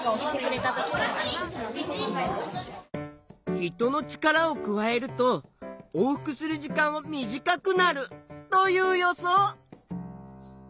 人の力を加えると往復する時間は短くなるという予想。